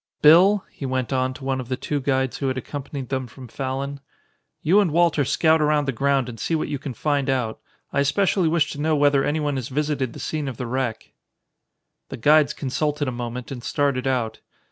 Bill," he went on to one of the two guides who had accompanied them from Fallon, "you and Walter scout around the ground and see what you can find out. I especially wish to know whether anyone has visited the scene of the wreck." The guides consulted a moment and started out.